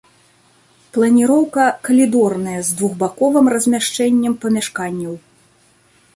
Планіроўка калідорная з двухбаковым размяшчэннем памяшканняў.